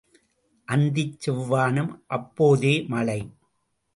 அந்திச் செவ்வானம் அப்போதே மழை.